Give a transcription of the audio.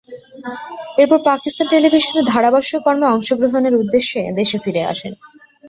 এরপর পাকিস্তান টেলিভিশনে ধারাভাষ্য কর্মে অংশগ্রহণের উদ্দেশ্যে দেশে ফিরে আসেন।